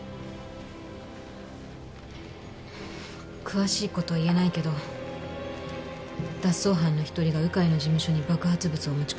詳しいことは言えないけど脱走犯の一人が鵜飼の事務所に爆発物を持ち込んだ。